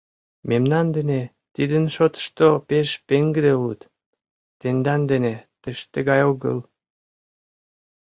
Мемнан дене тидын шотышто пеш пеҥгыде улыт, тендан дене тыште гай огыл...